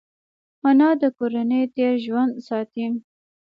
انا د کورنۍ تېر ژوند ساتي